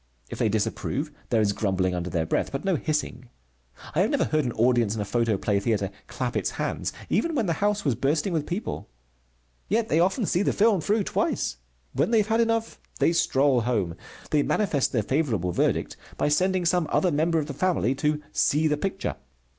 If they disapprove, there is grumbling under their breath, but no hissing. I have never heard an audience in a photoplay theatre clap its hands even when the house was bursting with people. Yet they often see the film through twice. When they have had enough, they stroll home. They manifest their favorable verdict by sending some other member of the family to "see the picture."